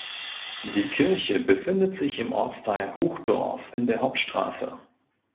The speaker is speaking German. Die Kirche befindet sich im Ortsteil Hochdorf in der "Hauptstraße".